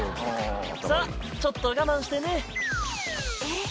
さあ、ちょっと我慢してね。